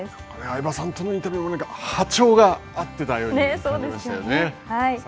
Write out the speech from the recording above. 相葉さんとのインタビュー、波長が合ってたようにそうですね。